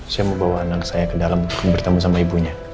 saya mau bawa anak saya ke dalam bertemu sama ibunya